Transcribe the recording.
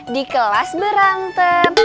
di kelas berantem